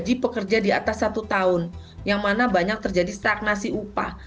jadi pekerja di atas satu tahun yang mana banyak terjadi stagnasi upah